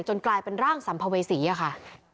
กลายเป็นร่างสัมภเวษีอะค่ะ